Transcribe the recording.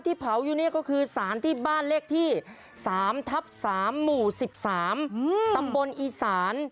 ที่เผาอยู่นี่ก็คือสารที่บ้านเล็กที่๓๓๑๓ตำบลอีสาน